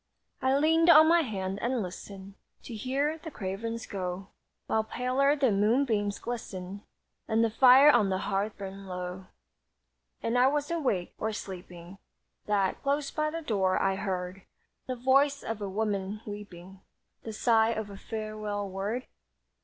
I leaned on my hand and listened To hear the cravens go, While paler the moonbeams glistened And the fire on the hearth burned low. And was I awake, or sleeping, That, close by the door, I heard The voice of a woman weeping The sigh of a farewell word?